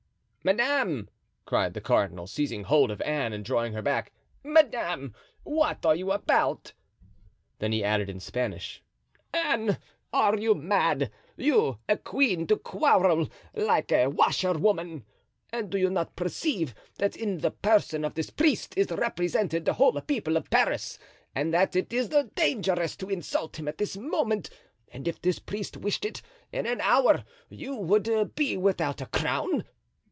"Madame," cried the cardinal, seizing hold of Anne and drawing her back, "Madame, what are you about?" Then he added in Spanish, "Anne, are you mad? You, a queen to quarrel like a washerwoman! And do you not perceive that in the person of this priest is represented the whole people of Paris and that it is dangerous to insult him at this moment, and if this priest wished it, in an hour you would be without a crown?